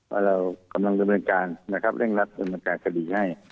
ว่ากำลังคำร้องกรรมการเร่งรับทรวงการคดีให้